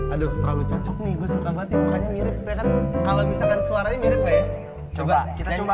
aduh terlalu cocok nih gue suka banget ya kalau bisa kan suaranya mirip coba kita coba